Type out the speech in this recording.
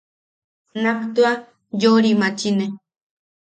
Nak tua yorimachine.